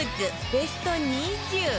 ベスト２０